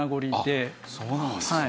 あっそうなんですね。